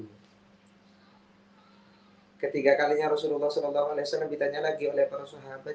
hai ketiga kalinya rasulullah shallallahu alaihi wasallam ditanya lagi oleh para sohabat